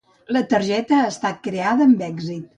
La targeta ha estat creada amb èxit.